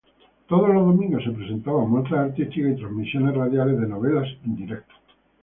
Todos los domingos se presentaban muestras artísticas y transmisiones radiales de novelas en directo.